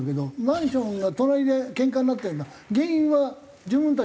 マンションが隣でけんかになってるの。